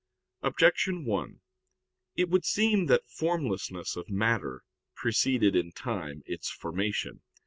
1] Objection 1: It would seem that formlessness of matter preceded in time its formation.